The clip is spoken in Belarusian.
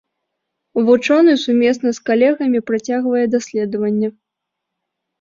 Вучоны сумесна з калегамі працягвае даследаванне.